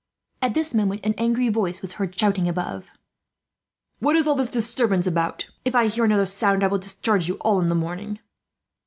At this moment an angry voice was heard shouting above. "What is all this disturbance about! If I hear another sound, I will discharge you all in the morning."